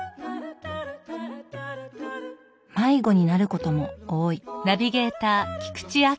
迷子になることも多い。